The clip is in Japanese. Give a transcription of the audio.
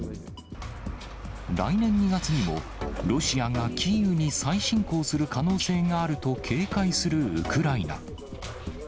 来年２月にも、ロシアがキーウに再侵攻する可能性があると警戒するウクライナ。